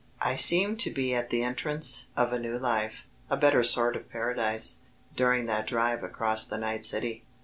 I seemed to be at the entrance of a new life, a better sort of paradise, during that drive across the night city.